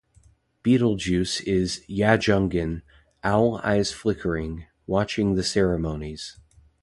Betelgeuse is "Ya-jungin" "Owl Eyes Flicking", watching the ceremonies.